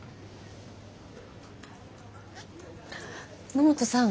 野本さん